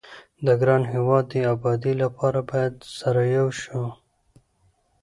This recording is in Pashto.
د ګران هيواد دي ابادي لپاره بايد سره يو شو